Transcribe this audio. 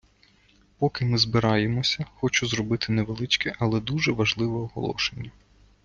Поки ми збираємося, хочу зробити невеличке, але дуже важливе оголошення.